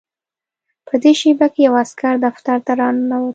په دې شېبه کې یو عسکر دفتر ته راننوت